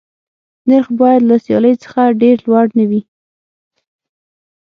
نرخ باید له سیالۍ څخه ډېر لوړ نه وي.